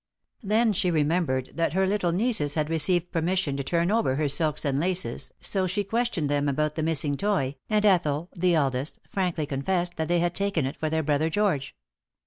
Then she remembered that her little nieces had received permission to turn over her silks and laces she questioned them about the missing toy, and Ethel, the eldest, frankly confessed that they had taken it for their brother George.